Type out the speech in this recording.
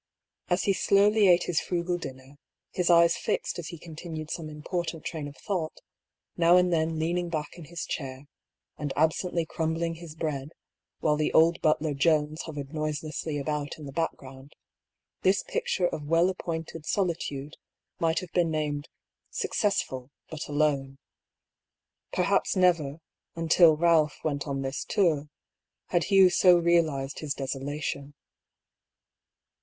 As he slowly ate his frugal din ner, his eyes fixed as he continued some important train of thought, now and then leaning back in his chair, and absently crumbling his bread, while the old butler Jones hovered noiselessly about in the background, this pic ture of well appointed solitude might have been named " Successful, but alone." Perhaps never, until Balph went on this tour, had Hugh so realised his desolation.